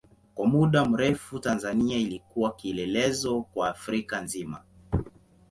Kwa muda mrefu Tanzania ilikuwa kielelezo kwa Afrika nzima.